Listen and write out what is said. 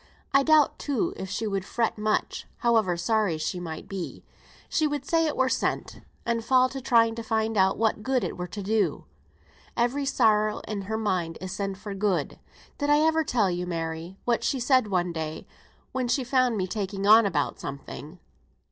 I doubt, too, if she would fret much, however sorry she might be. She would say it were sent, and fall to trying to find out what good it were to do. Every sorrow in her mind is sent for good. Did I ever tell you, Mary, what she said one day when she found me taking on about something?"